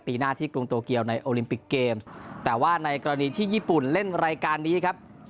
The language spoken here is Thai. ปีหน้าที่กรุงโตเกียวในโอลิมปิกเกมส์แต่ว่าในกรณีที่ญี่ปุ่นเล่นรายการนี้ครับ